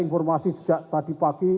informasi sejak tadi pagi